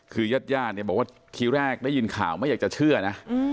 คือย่าดบอกว่าทีแรกได้ยินข่าวไม่อยากจะเชื่อนะ